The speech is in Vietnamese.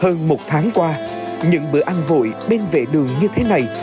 hơn một tháng qua những bữa ăn vội bên vệ đường như thế này